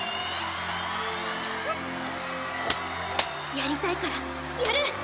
やりたいからやる！